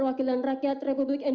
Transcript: wakil ketua ankar fishermen